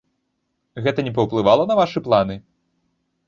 Гэта не паўплывала на вашы планы?